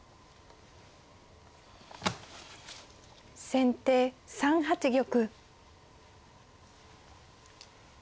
先手３八玉。